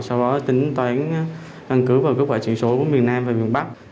sau đó tính toán căn cứ và các quả truyền số của miền nam và miền bắc